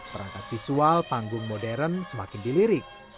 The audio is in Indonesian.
perangkat visual panggung modern semakin dilirik